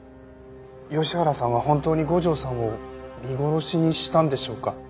吉原さんは本当に五条さんを見殺しにしたんでしょうか？